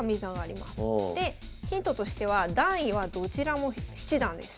でヒントとしては段位はどちらも七段です。